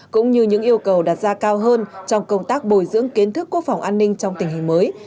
cũng như những yêu cầu đặt ra cao hơn trong công tác bồi dưỡng kiến thức quốc phòng an ninh trong tình hình mới